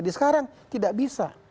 di sekarang tidak bisa